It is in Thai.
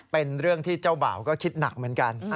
เป็นเรื่องที่เจ้าบ่าวก็คิดหนักเหมือนกัน